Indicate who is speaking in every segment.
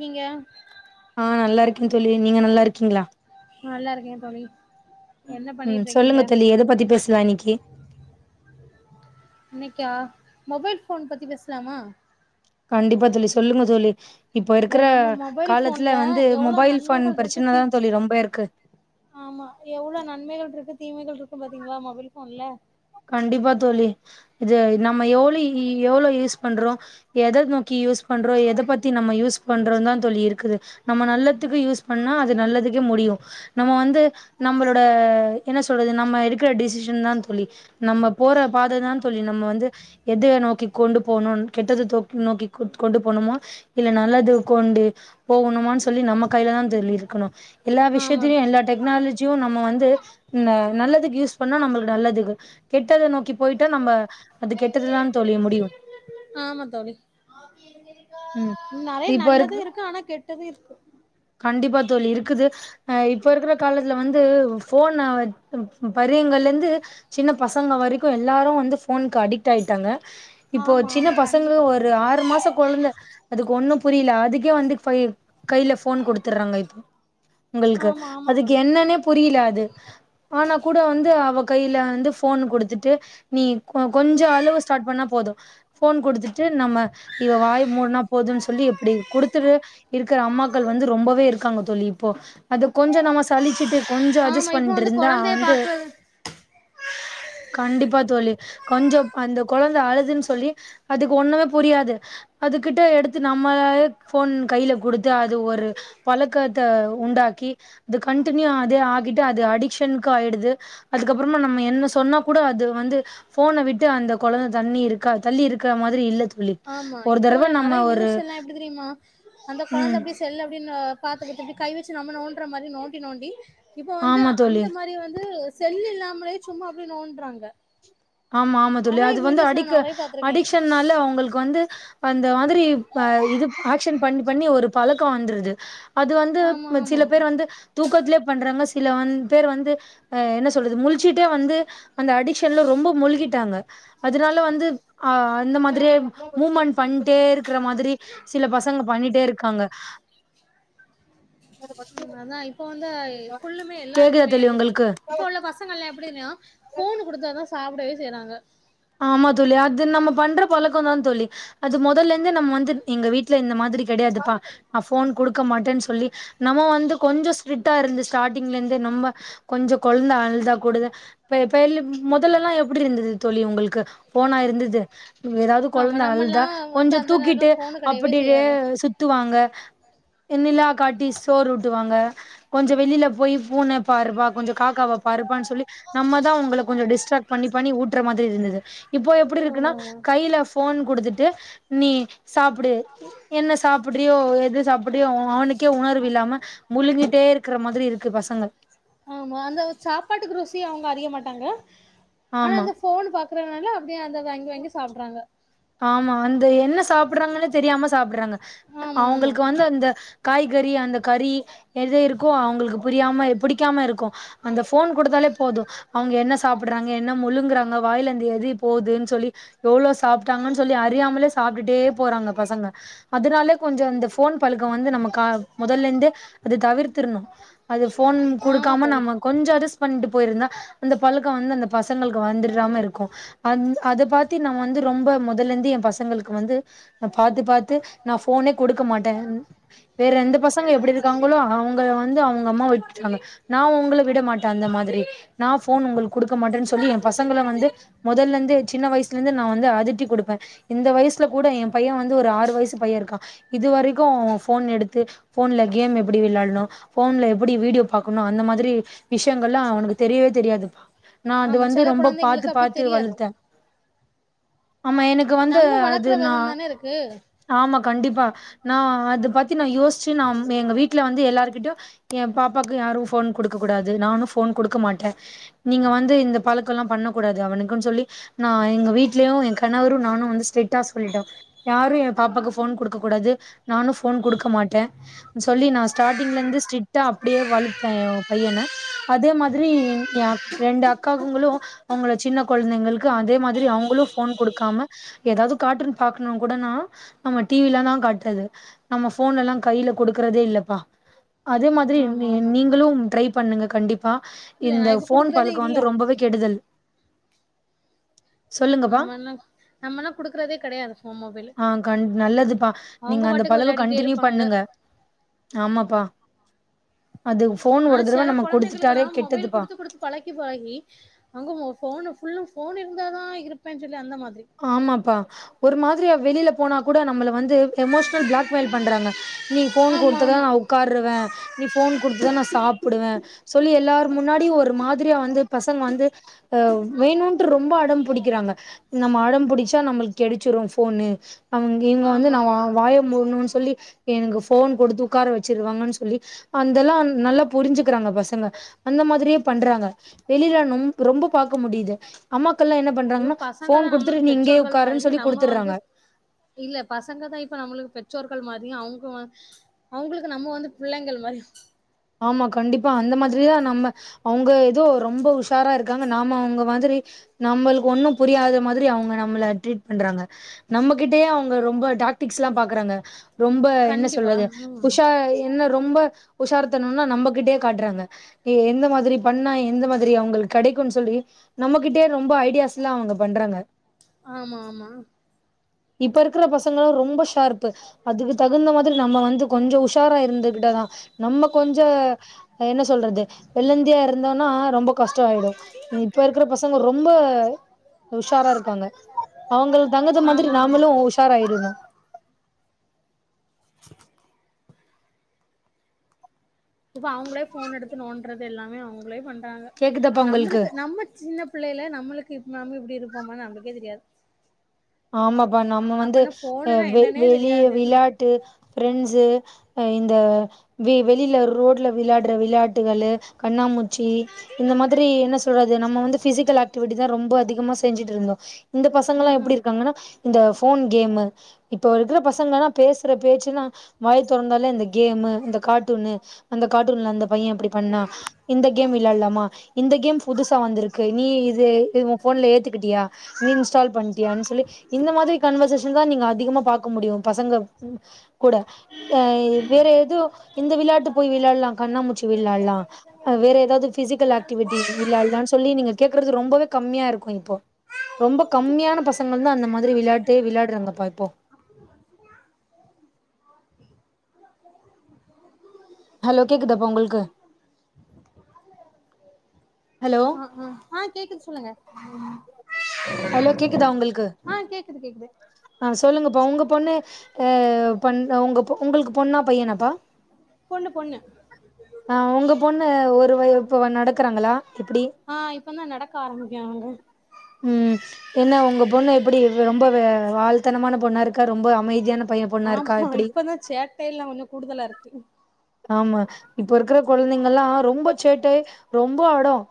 Speaker 1: நீங்க
Speaker 2: ஆஹ் நல்லா இருக்கேன் தோழி நீங்க நல்லா இருக்கீங்களா
Speaker 1: நல்லா இருக்கேன் தோழி என்ன
Speaker 2: ம்
Speaker 1: பண்ணிட்டு இருக்கீங்க
Speaker 2: சொல்லுங்க தோழி எதை பத்தி பேசலாம் இன்னிகி
Speaker 1: இன்னைக்கா மொபைல் போன் பத்தி பேசலாமா
Speaker 2: கண்டிப்பா தோழி சொல்லுங்க தோழி இப்போ
Speaker 1: இல்ல
Speaker 2: இருக்கிற
Speaker 1: நம்ம மொபைல்
Speaker 2: காலத்துல
Speaker 1: போன்ல
Speaker 2: வந்து
Speaker 1: எவ்ளவு
Speaker 2: மொபைல் ஃபோன்
Speaker 1: நன்மைகள் இருக்கு தீ
Speaker 2: பிரச்சனதா தோழி ரொம்ப இருக்கு
Speaker 1: ஆமா எவ்ளவு நன்மைகள் இருக்கு தீமைகள் இருக்கும் பாத்தீங்களா மொபைல் போன்ல
Speaker 2: கண்டிப்பா தோழி இது நம்ம எவ்ளவு எவ்ளோ யூஸ் பண்றோம் எத நோக்கி யூஸ் பண்றோம் எத பத்தி நம்ம யூஸ் பண்றோம் தான் தோழி இருக்குது நம்ம நல்லதுக்கு யூஸ் பண்ணா அது நல்லதுக்கே முடியும் நம்ம வந்து நம்மளோட என்ன சொல்றது நம்ம எடுக்கிற டிசிஷன் தான் தோழி நம்ம போற பாததான் தோழி நம்ம வந்து எத நோக்கி கொண்டு போணும் கெட்டததுக்கி நோக்கி கத் கொண்டு போணுமோ இல்ல நல்லது கொண்டு போவணுமோ சொல்லி நம்ம கையிலதான்தோழி இருக்கணும் எல்லா
Speaker 1: ஆமா
Speaker 2: விஷயத்தலயையும் எல்லா டெக்னாலஜியும் நம்ம வந்து ன்ன நல்லதுக்கு யூஸ் பண்ணா நம்மளுக்கு நல்லதுக்கு கெட்டத நோக்கி போயிட்டா நம்ம அது கெட்டதுலாம்னு தோழிலிய முடியும்
Speaker 1: ஆமா தோழி
Speaker 2: ம்
Speaker 1: நெறய நல்லதும் இருக்கு ஆனா கெட் து இருக்கு
Speaker 2: கண்டிப்பா தோழி இருக்குது ஆஹ் இப்போ இருக்கிற காலத்தில வந்து ஃபோன ம் ம் பரியங்கள்லேருந்து சின்ன பசங்கள் வரைக்கோ எல்லோரோ வந்து ஃபோனுக்கு அடிக்ட் ஆகிட்டாங்க இப்போ
Speaker 1: ஆமா
Speaker 2: சின்ன
Speaker 1: ஆமா
Speaker 2: பசங்க
Speaker 1: கண்டிப்பா
Speaker 2: ஒரு ஆறு மாச கொழந்த அதுக்கு ஒண்ணு புரியல அதுக்கே வந்து ஃபவ் கைல ஃபோன் கொடுத்துட்றாங்க இப்போ உங்களுக்கு
Speaker 1: ஆமா ஆமா
Speaker 2: அதுக்கு
Speaker 1: தோழி
Speaker 2: என்னன்னே புரியல அது ஆனா கூட வந்து அவ கையில வந்து போன் கொடுத்துட்டு நீ கு கொஞ்சோ அழுவ ஸ்டார்ட் பண்ணா போது போன் குடுத்துட்டு நம்ம இவ வாய மூடினா போதுன்னு சொல்லி எப்படி குடுத்துட்டு இருக்கிற அம்மா கள் வந்து ரொம்பவே இருக்காங்க தோழி இப்போ அத கொஞ்சோ நம்ம சலிச்சுட்டு கொஞ்சம்
Speaker 1: ஆமா
Speaker 2: அஜஸ்
Speaker 1: இப்ப
Speaker 2: பண்ணிட்டு
Speaker 1: வந்து
Speaker 2: இருந்தா
Speaker 1: கொழந்தைய
Speaker 2: வந்து
Speaker 1: பாக்குறது
Speaker 2: கண்டிப்பா தோழி கொஞ்சோ அந்த கொழந்த அழுதுன்னு சொல்லி அதுக்கு ஒண்ணுமே புரியாது அதுகிட்ட எடுத்து நம்மளே போன் கையில கொடுத்து அ து ஒரு பழக்கத்த உண்டாக்கி அது கன்டீனியூ அதே ஆக்கிட்டு அது அடிக்ஷனுக்கு ஆயிடுது அதுக்கப்பறமா நம்ம என்ன சொன்னா கூட அது வந்து போன விட்டு அந்த கொழந்த தண்ணி இருக்க தள்ளி இருக்க மாரி இல்ல தோழி
Speaker 1: ஆமா
Speaker 2: ஒரு
Speaker 1: இப்போ உள்ள
Speaker 2: தடவ
Speaker 1: நெறய
Speaker 2: நம்ம ஒரு
Speaker 1: நியூஸ் எல்லா எப்டி தெரியுமா அந்த கொழந்தை
Speaker 2: ம்
Speaker 1: அப்படி செல்ல அப்டின்னு பாத்துக்கிட்டு இப்டி கை வச்ச நம நோன்ற மாரி நோண்டி நோண்டி இப்ப வந்து
Speaker 2: ஆமா தோழி
Speaker 1: அந்த மாரி வந்து செல்லு இல்லாமலே சும்மா அப்டே நோன்றாங்க
Speaker 2: ஆமா ஆமா தோழி அது வந்து அடி
Speaker 1: பாத்திருக்கே
Speaker 2: அடிக்ஷன்னால அவங்களுக்கு வந்து அந்த மாதிரி அஹ் இது ஆக்ஷன் பண்ணி பண்ணி ஒரு பழக்கொ வந்துருது அது வந்து
Speaker 1: ஆமா ஆமா
Speaker 2: சில பேர் வந்து தூக்கத்திலயே பண்றாங்க சில வந்து பேர் வந்து ஆஹ் என்ன சொல்றது முலிச்சுட்டே வந்து அந்த அடிக்ஷன்ல ரொம்ப முழுகிட்டாங்க அதனால வந்து அஹ் அந்த மாதிரியே மூமெண்ட் பண்ணிட்டே இருக்கிற மாதிரி சில பசங்க பண்ணிட்டே இருக்காங்க
Speaker 1: உம் அதான் இப்ப வந்து ஃபுல்லுமே
Speaker 2: கேக்குதா
Speaker 1: எல்லாருக்குமே
Speaker 2: தோழி
Speaker 1: இந்த
Speaker 2: உங்களுக்கு
Speaker 1: இப்ப உள்ள பசங்க எல்லா எப்படின்னா போனு கொடுத்தான் சாப்பிடவே செய்யறாங்க
Speaker 2: ஆமா தோழி அது நம்ம பண்ற பழக்கம் தான் தோழி அது முதல்ல இந்தே நம்ம வந்து எங்க வீட்டுல இந்த மாதிரி கிடையாதுப்பா நா போன் கொடுக்க மாட்டேன்னு சொல்லி நம்ம வந்து கொஞ்சோ ஸ்ட்ரிட்டா இருந்து ஸ்டார்டிங்ல இருந்தே நம்ம கொஞ்சோ கொலந்த அழுதா கூடுது இப் பேல முதல்லெல்லா எப்டி இருந்தது தோழி உங்களுக் க்கு போனா இருந்தது ஏதாவது
Speaker 1: ஆமா
Speaker 2: கொழந்த
Speaker 1: நம்மல்லா
Speaker 2: அழுதா
Speaker 1: வந்து
Speaker 2: கொஞ்சோ
Speaker 1: அந்த நேரத்துல
Speaker 2: தூக்கிட்டு
Speaker 1: ஃபோனு கெடையவே
Speaker 2: அப்படியே
Speaker 1: செய்யாது
Speaker 2: சுத்துவாங்க என்னிலா காட்டி சோர் ஊட்டுவாங்க கொஞ்சோ வெளியில போய் பூனை பாருப்பா கொஞ்சோ காக்காவை பாருப்பான்னு சொல்லி நம்ம தான் உங்கள கொஞ்சோ டிஸ்ட்ராக்ட் பண்ணி பண்ணி ஊட்டுற மாதிரி இருந்தது அ [inaudible] இப்போ எப்புடி
Speaker 1: ஆமா
Speaker 2: இருக்குன்னா
Speaker 1: ஆமா
Speaker 2: கையில ஃபோன் குடுத்துட்டு நீ சாப்டு என்ன சாப்படுறியோ எது அப்படியு அவனுக்கே உணர்வு இல்லாம முழுங்கிட்டே இருக்குற மாதிரி இருக்கு பசங்க
Speaker 1: ஆமா அந்த சாப்பாட்டுக்கு ருசி அவங்க அறிய மாட் டாங்க ஆனா
Speaker 2: ஆமா
Speaker 1: அந்த ஃபோன் பாக்குறனால அப்டியே அத வாங்கி வாங்கி சாப்டறாங்க
Speaker 2: ஆமா அந்த என்ன சாப்படுறாங்கன்னு தெரியாம சாப்படுறாங்க
Speaker 1: ஆமா ஆமா
Speaker 2: அவங்களுக்கு வந்து அந்த காய் கறி அந்த கறி எது இருக்கோ அவங்களுக்கு புரியாம புடிக்காம இருக்கு அந்த ஃபோன் குடுத்தாலே போது அவங்க என்ன சாப்படுறாங்க என்ன முழுங்குறாங்க வாயிலர்ந்து எது போதுன்னு சொல்லி எவ்ளோ சா ப்டாங்கன்னு சொல்லி அறியாமலே சாப்பிட்டுட்டே போறாங்க பசங்க அதனால கொஞ்சோ இந்த ஃபோன் பழுக்கம் வந்து நம்ம கா நம்ம மொதல்ல இருந்ததே அது தவிர்த்திரணு அது ஃபோன்
Speaker 1: ஆமா
Speaker 2: குடுக்காம
Speaker 1: தோழி
Speaker 2: நம்ம கொஞ்ச அட்ஜஸ் பண்ணிட்டு போயிருந்தா அந்த பழக்கோ வந்து அந்த பசங்களுக்கு வந்துறாம இருக்கு அந் அத பாத்தி நம்ம வந்து ரொம்ப மொதல்ல இருந்தே என் பசங்களுக்கு வந்து நா பாத்து பாத் து நா ஃபோனே குடுக்க மாட்டே வேற எந்த பசங்க எப்படி இருக்காங்களோ அவங்க வந்து அவங்க அம்மா விட்ருவாங்க நா உங்கள விட மாட்டே அந்த மாதிரி நா ஃபோன் உங்களுக்கு குடுக்க மாட்டேன்னு சொல்லி என் பசங்கள வந்து மொதல்ல இருந்தே சின்ன வயசுலேர்ந்தே நா வந்து அதட்டி குடுப்பே இந்த வயசுல கூட என் பைய வந்து ஒரு ஆறு வயசு பைய இருக்கா இதுவரைக்கு அவ ஃபோன் எடுத்து ஃபோன்ல கேம் எப்டி விளையாடணு ஃபோன்ல எப்படி வீடியோ பாக்கணு அந்த மாதிரி விஷயங்கள்லா அவனக்கு தெரியவே தெரியாதுப்பா நா அது
Speaker 1: ஆமா
Speaker 2: வந்து
Speaker 1: செல
Speaker 2: ரொம்ப பாத்து
Speaker 1: கொழந்தைங்களுக்கு அப்டி
Speaker 2: பாத்து
Speaker 1: தெரியாது
Speaker 2: வளத்தே ஆமா எனக்கு வந்து
Speaker 1: நம்ம
Speaker 2: அது
Speaker 1: வளக்குற
Speaker 2: நா
Speaker 1: விதம் தானே இருக்கு
Speaker 2: ஆமா கண்டிப்பா நா அது பத்தி நா யோச் ச்சு நா எங்க வீட்ல வந்து எல்லாரு கிட்ட ஏன் பாப்பாக்கு யாரும் ஃபோன் குடுக்கக்கூடாது நானும் ஃபோன் குடுக்க மாட்டே நீங்க வந்து இந்த பழக்கோ எல்லா பண்ணக்கூடாது அவனுக்குன்னு சொல்லி நா எங்க வீட்லயு எங் கணவரு நானு வந்து ஸ்ட்ரிக்ட்டா சொல்லிட்டோ யாரும் ஏன் பாப்பாக்கு ஃபோன் குடுக்கக்கூடாது நானும் ஃபோன் குடுக்க மாட்டே சொல்லி நா ஸ்டார்ட்டிங்ல இருந்து ஸ்ட்ரிக்டா அப்படியே வளத்தே என் பையன அதே மாதிரி ஏன் அக் ரெண்டு அக்காகுங்களு அவங்கள சின்ன கொழந்தைங்களுக்கு அதே மாதிரி அவங்களு ஃபோன் குடு க்காம ஏதாவது கார்ட்டூன் பாக்கணுன் கூடனா நம்ம டிவிலதா காட்றது நம்ம ஃபோன் எல்லா கையில குடுக்குறதே இல்லப்பா அதே மாதிரி
Speaker 1: ஆமா
Speaker 2: நீ
Speaker 1: ஆமா
Speaker 2: நீங்களும் ட்ரை பண்ணுங்க கண்டிப் பா
Speaker 1: இல்ல நா
Speaker 2: இந்த
Speaker 1: இப்ப
Speaker 2: ஃபோன்
Speaker 1: குடுக்குறதே
Speaker 2: பழக்கோ
Speaker 1: இல்ல
Speaker 2: வந்து ரொம்பவே கெடுதல் சொல்லுங்கப்பா
Speaker 1: நம்மல்லா நம்மல்லா குடுக்குறதே கெடையாது ஃபோன் மொபைலு
Speaker 2: ஆஹ் கண் நல்லதுப்பா
Speaker 1: அவங்க
Speaker 2: நீங்க அந்த
Speaker 1: பாட்டுக்கு
Speaker 2: பழக்கோ
Speaker 1: வெளையாடிட்டே
Speaker 2: கண்டினியூ
Speaker 1: இருப்பாங்க
Speaker 2: பண்ணுங்க ஆமாப்பா அது ஃபோன் ஒரு
Speaker 1: ஆஹ்
Speaker 2: தடவ
Speaker 1: செல
Speaker 2: நம்ம குடுத்துட்டாலே
Speaker 1: கொழந்தைங்களுக்கெல்லா மொபைல்
Speaker 2: கெட்டதுப்பா
Speaker 1: குடுத்து குடுத்து பழகி பழகி அங்க ஃபோனு ஃபுல்லு ஃபோன் இருந்தாதா இருப்பேன்னு [unintelligible]
Speaker 2: ஆமாப்பா ஒரு மாதிரியா வெளியில போனா கூட நம்மள வந்து எமோஷனல் பிளாக்மெயில் பண்றாங்க நீ ஃபோன்
Speaker 1: ஆமா
Speaker 2: குடுத்தாதா
Speaker 1: ஆமா
Speaker 2: நா உக்காருவே நீ ஃபோன் குடுத்தாதா நா சாப்டுவே சொல்லி எல்லாரும் முன்னாடியும் ஒரு மாதிரியா வந்து பசங்க வந்து அஹ் வேணும்ட்டு ரொம்ப அடம் பிடிக்கிறாங்க நம்ம அடம் புடிச்சா நம்மளுக்கு கெடைச்சிரு போன்னு அவங்க இவங்க வந்து
Speaker 1: ஆமா
Speaker 2: நான் வா
Speaker 1: ஆமா
Speaker 2: வாய முடணும்ன்னு சொல்லி எனக்கு போன் கொடுத்து உட்கார வச்சிருவாங்கன்னு சொல்லி அதந்தெல்லாம் நல்லா புரிஞ்சுக்கறாங்க பசங்க அந்த மாதிரியே பண்றாங்க வெளியில ரொம்ப பாக்க முடியுது அம்மா மக்கல்லாம் என்ன
Speaker 1: இப்ப
Speaker 2: பண்றாங்கன்னா
Speaker 1: பசங்க
Speaker 2: ஃபோன்
Speaker 1: தான் நம்மளுக்கு
Speaker 2: குடுத்துட்டு நீ இங்கயே
Speaker 1: பெற்றோர்கள்
Speaker 2: உக்காருன்னு
Speaker 1: மாதிரி
Speaker 2: சொல்லி
Speaker 1: நம்ம
Speaker 2: குடுத்துர்றாங்க
Speaker 1: வந்து இல்ல பசங்க தான் இப்ப நம்மளுக்கு பெற்றோர் பெற்றோர்கள் மாதிரி அவங்க அவங்களுக்கு நம்ம வந்து பிள்ளைகள் மாதிரியும்
Speaker 2: ஆமா கண்டிப்பா அந்த மாதிரிதான் நம்ம அவங்க ஏதோ ரொம்ப உசா உசாரா இருக்காங்க நாம அவங்க மாதிரி நம்மளுக்கு ஒண்ணு புரியாத மாதிரி அவங்க நம்மளை ட்ரீட் பண்றாங்க நம்மகிட்டயே அவங்க ரொம்ப டாக்டிக்ஸ் லா பாக்குறாங்க ரொம்ப என்ன
Speaker 1: கண்டிப்பா
Speaker 2: சொல்றது உஷா என்ன ரொம்ப உஷார் சொன்னம்னா நம்மகிட்டயே காட்டுறாங்க எந்த மாதிரி பண்ணா எந்த மாதிரி அவங்களுக்கு கிடைக்குனு சொல்லி நம்மகிட்டே ரொம்ப ஐடியாஸ் லா அவங்க பண்றாங்க
Speaker 1: ஆமா ஆமா
Speaker 2: இப்ப இருக்கிற பசங்களும் ரொம்ப ஸ் சுதார்ப்பு அதுக்கு தகுந்த மாதிரி நம்ம வந்து கொஞ்சம் உஷ் உசாரா இருந்துக்கிட்டாதா நமக் கொஞ்ச என்ன சொல்றது வெள்ளந்தியா இருந்தோன்னா ரொம்ப கஷ்ட ஆயிடு இப்ப இருக்கிற பசங்க ரொம்ப உஷாரா இருக்கு இருக்காங்க அவங்க தங்கது மாதிரி
Speaker 1: ஆமா ஆமா
Speaker 2: நாமளும் உஷார் ஆய்டன்னு
Speaker 1: இப்ப அவங்களே போன் எடுத்து நோன்றது எல்லாமே அவங்களே பண் றாங்க
Speaker 2: கேக்குதாப்பா உங்களுக்கு
Speaker 1: நம்மளுக்கு நம்ம சின்ன பிள்ளைல நம்மளுக்கு இப்ப நாம இப்படி இருப்போமனு நம்பளுக்கே தெரியாது
Speaker 2: ஆமாப்பா நம்ம வந்து
Speaker 1: அப்பனா போனுனா
Speaker 2: வெ
Speaker 1: என்னன்னே
Speaker 2: வெளிய
Speaker 1: தெரியாது
Speaker 2: விளையாட்டு ஃபிரெண்ட்ஸு அஹ் இந்த வெ வெளியில ரோட்ல விளையாடுற விளையாட்டுகள் கண்ணாமூச்சி இந்த மாதிரி என்ன சொல்றாது நம்ம வந்து பிசிக்கல் ஆக்டிவிட்டி தான் ரொம்ப அதிகமா செஞ்சுட்டு இருந்தோ இந்த பசங்கலா
Speaker 1: ம்
Speaker 2: எப்டி
Speaker 1: ம்
Speaker 2: இருக் இந்த போன் கேமு இப்ப இருக்கிற பசங்கனா பேசுற பேச்சல்லா வாய் தொறந்தாலே இந்த கேமு இந்த கார்ட்டூனு அந்த கார்ட்டூன்ல அந்த பையன் அப்படி பண்ணா இந்த கேம் விலையாட்லாமா இந்த கேம் புதுசா வந்திருக்கு நீ இது உ போன்ல ஏத்துக்கிட்டியா நீ இன்ஸ்டால் பண்ணிட்டியா தோழி இந்த மாதிரி கான்வகேஷன் தான் நீங்க அதிகமா பார்க்க முடியும் பசங்க கூட வேற ஏதோ இந்த விளாட்டு போய் விளாடலாம் கண்ணாமூச்சி விளாடலாம் வேறு ஏதாவது பிசிக்கல் ஆக்டிவிட்டி விளையாடலான்னு சொல்லி நீங்க கேக்குறது ரொம்ப ரொம்பவே கம்மியா இருக்கும் இப்போ ரொம்ப கம்மியான பசங் ங்க தா அந்தமாதி மாதிரி விளையாட்டு விளையாடுறாங்கப்பா இப்போ ஹலோ கேக்குதாப்ப உங்களுக்கு ஹலோ
Speaker 1: ஆஹ் ஹ் ஆஹ் கேக்குது சொல்லுங்க [unintelligible]
Speaker 2: ஹலோ கேக்குதா உங்களுக்கு
Speaker 1: ஆ கேக்குது கேக்குது
Speaker 2: ஆஹ் சொல்லுங்கப்ப உங்க பொண்ணு யா பண் உங்க உங்களுக்கு பொண்ணா பையனப்பா
Speaker 1: பொண்ணு பொண்ணு
Speaker 2: ஆஹ் உங்க பொண்ணு ஒரு வய இப்போ நடக்குறாங்களா
Speaker 1: ஆஹ் இப்ப தான் நடக்க ஆரம்பிக்காங்க
Speaker 2: உம் என்ன உங்க பொண்ணு எப்டி ரொம்ப வாழ்தனமான பொண்ணா இருக்கா ரொம்ப அமைதியான பைய பொண்ணா இருக்கா
Speaker 1: ஆமாம்
Speaker 2: எப்டி
Speaker 1: இப்பதான் சேட்டை எல்லா கொஞ்சம் கூடுதலா இருக்கு
Speaker 2: ஆமா இப்ப இருக்கிற கொழந்தைங்க எல்லா ரொம்ப சேட்டை ரொம்ப அடம்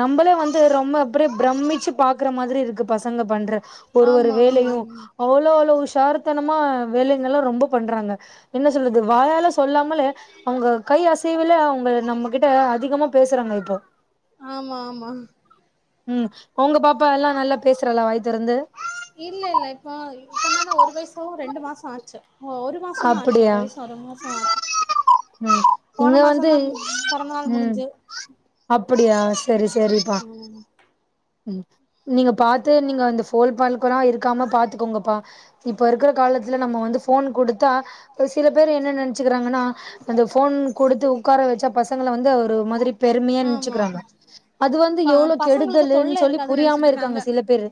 Speaker 2: நம்மளே வந்து ரொம்ப அப்டியே பிரமிச்சு பாக்குற மாதிரி இருக்கு பசங்க பண்ற ஒரு ஒரு
Speaker 1: ஆமா ஆமா
Speaker 2: வேலையும் அவ்ளோ அளவு சார்த்தனமா வேலைங்க எல்லா ரொம்ப பண்றாங்க என்ன சொல்றது வாயால சொல்லா மலே அவங்க கை அசைவுல அவங்க நம்ம கிட்ட அதிகமா பேசுறாங்க இப்போ
Speaker 1: ஆமா ஆமா
Speaker 2: உம் உங்க பாப்
Speaker 1: இல்ல இல்ல இப்போ இப்பந்தானே ஒரு வயசும் ரெண்டு மாசம் ஆச்சு ஓ ஒரு மாசம் தான் ஆச்சு ஒரு
Speaker 2: அப்டியா
Speaker 1: வயசு ஒரு மாச ஆச்சு
Speaker 2: ம் இங்க
Speaker 1: போன மாசம்
Speaker 2: வந்து
Speaker 1: தான் பிறந்த நாள்
Speaker 2: ம்
Speaker 1: முடிஞ்சு
Speaker 2: அப்படியா சரி சரிப்பா
Speaker 1: ம்
Speaker 2: நீங்க பாத்து நீங்க அந்த போன் பாக்காம இருக்காம பாத்துக்கோங்கப்பா இப்ப இருக்கிற காலத்துல நம்ம வந்து போன் குடு தா சில பேர் என்ன நினைச்சுக்கிறாங்கன்னா அந்த போன் குடுத்து உட்கார வச்சா பசங்களை வந்து ஒரு மாதிரி பெருமையா
Speaker 1: ஆமா
Speaker 2: நெனச்சுக்கிறாங்க அது வந்து
Speaker 1: ப
Speaker 2: எவ்ளோ
Speaker 1: பசங்களுக்கு
Speaker 2: கெடுதலுன்னு
Speaker 1: தொல்ல
Speaker 2: சொல்லி
Speaker 1: இருக்காதுன்னு
Speaker 2: புரியாம
Speaker 1: நினைச்சிட்டு இருக்காங்க
Speaker 2: சில பேரு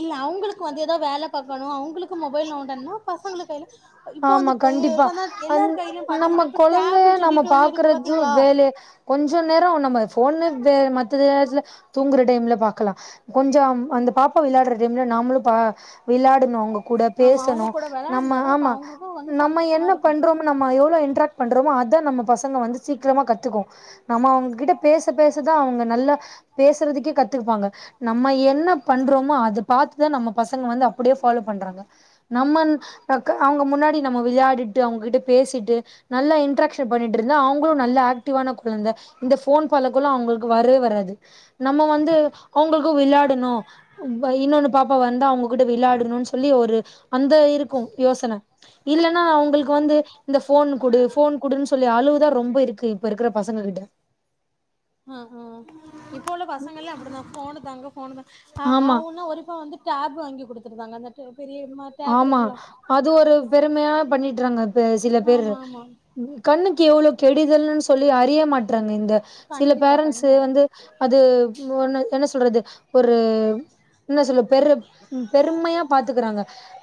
Speaker 1: இல்ல அவங்களுக்கு வந்து ஏதோ வேலை பாக் கணும் அவங்களுக்கு மொபைல் நோண்டனு பசங்க கையில இப்போ
Speaker 2: ஆமா
Speaker 1: வந்து இப்ப
Speaker 2: கண்டிப்பா
Speaker 1: இப்பந்தா
Speaker 2: அந்
Speaker 1: எல்லார் கையிலயு
Speaker 2: நம்ம
Speaker 1: பாத்தீங்கன்னா இப்ப
Speaker 2: கொழந்தைய
Speaker 1: டேப்ன்னு
Speaker 2: நம்ம
Speaker 1: சொல்லிட்டு ஒண்ணு இருக்கு
Speaker 2: பாக்குறது
Speaker 1: பாத்தீங்களா
Speaker 2: வேலை கொஞ்சம் நேரம் நம்ம போன்னு மத்த நேரத்தில தூங்குற டைம்ல பாக்கலாம் கொஞ்சம் அந்த பாப்பா விளையாடுற டைம்ல நாமளும் விளையாடணும் அவுங் கூட
Speaker 1: ஆமா அவங்க
Speaker 2: பேசணும்
Speaker 1: கூட
Speaker 2: நம்ம
Speaker 1: விளையாடுனாதான் அப்ப
Speaker 2: ஆமா
Speaker 1: அவங்களுக்கு வந்து
Speaker 2: நம்ம
Speaker 1: சந்தோஷமா
Speaker 2: என்ன
Speaker 1: இருக்கும்
Speaker 2: பண்றோமோ நம்ம எவ்ளோ இன்ராக்ட் பண்றோமே அதான் நம்ம பச வந்து சீக்கிரமா கத்துக்கும் நம்ம அவங்ககிட்ட பேச பேசதான் அவங்க நல்லா பேசுறதுக்கே கத்து இருப்பாங்க நம்ம என்ன பண்றமோ அதை பாத்துதான் நம்ம பசங்க வந்து அப்டியே ஃபாலோ பண்றாங்க நம்ம க அவங்க முன்னாடி நம்ம விளையாடிட்டு அவங்ககிட்ட பேசிட்டு நல்லா இன்ட்ராகஷன் பண்ணிட்டு இருந்தா அவங்களும் நல்ல ஆக்டிவான குழந்தை இந்த போன் பல குலம் அவங்களுக்கு வரவே வராது நம்ம வந்து அவங்களுக்கும் விளையாடணும் இன்னொன்னு பாப்பா வந்து அவங்க விளையாடணும்னு சொல்லி ஒரு அந்த இருக்கும் யோசனை இல்லைன்னா அவங்களுக்கு வந்து இந்த போன் குடு போன் குடுன்னு சொல்லி அளவுதான் ரொம்ப இருக்கு இப்ப இருக்கிற பசங்க கிட்ட
Speaker 1: ஹ ஹ இப்போ உள்ள பசங்கள் எல்லாம் அப்படிதான் போனு தாங்க ஃபோனு தா ஆ
Speaker 2: ஆமா
Speaker 1: ஆவுன்னா ஒழுங்கா வந்து ஆப் வாங்கி குடுத்துருக்காங்க [unintelligible]
Speaker 2: ஆமா அது ஒரு பெருமையா பண்ணிட்டுறாங்க பா சில பேரு
Speaker 1: ஆமா ஆமா
Speaker 2: கண்ணு க்கு எவ்ளோ கெடுதல் சொ சொல்லி அறிய மாட்றாங்க இந்த சில
Speaker 1: கண்டிப்பா
Speaker 2: பேரன்ஸ்சு
Speaker 1: கண்டிப்பா
Speaker 2: வந்து அது வா என்ன ஸ் சொல்றது ஒரு [unintelligible] என்ன சொல்ல பெரு பெருமையா பாத்துக்கறாங்க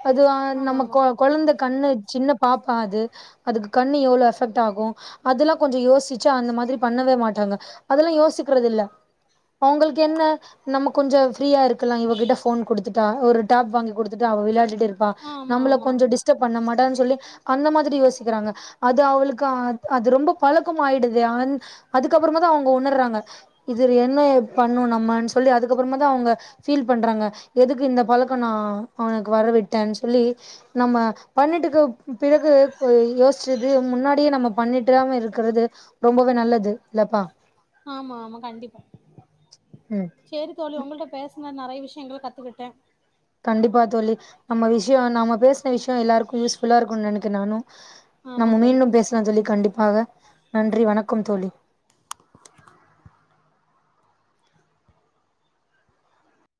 Speaker 2: அது
Speaker 1: ஆமா
Speaker 2: நம்ம
Speaker 1: ஆமா
Speaker 2: கொ குழந்த கண்ணு சின்ன பாப்பா அது அதுக்கு கண்ணு எவ்ளோ அஃபெக்ட் ஆகும் அதெல்லாம் கொஞ்சம் யோசிச் ச்ச அந்த மாதிரி பண்ணவே மாட்டாங்க அதெல்லாம் யோசிக்கிறது இல்ல அவங்களுக்கு என்ன நம்ம கொஞ்சோ ஃப்ரீயா இருக்கலாம் இவ கிட்ட ஃபோன் கொடுத் த்துட ஒரு டாப் வாங்கி கொடுத்துட்டா அவ விளையாடிட் இருப்பா
Speaker 1: ஆமா
Speaker 2: நம்மல
Speaker 1: ஆமா
Speaker 2: கொஞ்சம் டிஸ்டப் பண்ண மாட்டா சொல்லி அந்த மாதிரி யோசிக்கிறாங்க அது அவளுக்கு அது அது ரொம்ப பழக்கம் ஆயிடுது அதுக்கப்புறமாதான் அவங்க உணர்றாங்க இது என்ன பண்ணும் நம்மனு சொல்லி அதுக்கப்புறமா தான் அவங்க ஃபீல் பண்றாங்க எதுக்கு இந்த பழக்கம் நா அவனுக்கு வரவிட் பிறகு யோசிச்சது முன்னாடியே நம்ம பண்ணிடாம இருக்கிறது ரொம்பவே நல்லது இல்லப்பா
Speaker 1: ஆமா ஆமா கண்டிப்பா
Speaker 2: ம்
Speaker 1: செரி தோழி உங்கள்ட பேச நா நிறைய விஷயங்கள கத்துக்கிட்டே
Speaker 2: கண்டிப்பா தோழி நம்ம விஷயம் நம்ம பேசுன விஷயம் எல்லாருக்கும் யூஸ்ஃபுல்லா இருக்கும் நினைக்க நானு
Speaker 1: ஆமா
Speaker 2: நம்ம
Speaker 1: தோழி
Speaker 2: மீண்டும் பேசலா தோழி கண்டிப் ஆக நன்றி வணக்கம் தோழி